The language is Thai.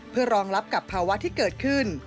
เพื่อรองรับกับภาวะที่เกิดขึ้น